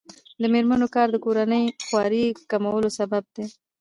د میرمنو کار د کورنۍ خوارۍ کمولو سبب دی.